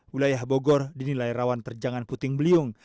wilayah bogor dinilai rawan terjangan puting beliung